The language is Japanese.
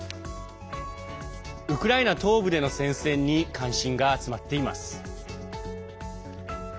ウクライナ東部での戦線に関心が集まっています。